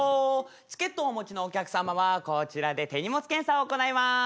チケットをお持ちのお客様はこちらで手荷物検査を行います。